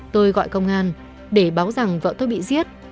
tôi gọi công an để báo rằng vợ tôi bị giết